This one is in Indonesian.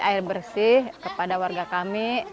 air bersih kepada warga kami